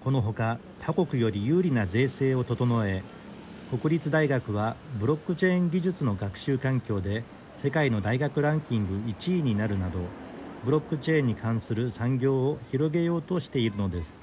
このほか他国より有利な税制を整え国立大学はブロックチェーン技術の学習環境で世界の大学ランキング１位になるなどブロックチェーンに関する産業を広げようとしているのです。